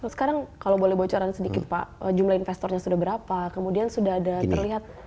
sekarang kalau boleh bocoran sedikit pak jumlah investornya sudah berapa kemudian sudah ada terlihat